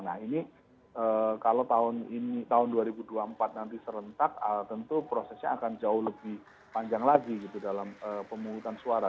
nah ini kalau tahun dua ribu dua puluh empat nanti serentak tentu prosesnya akan jauh lebih panjang lagi gitu dalam pemungutan suara